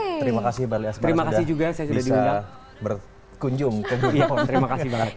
terima kasih barli asmara sudah bisa berkunjung ke budapest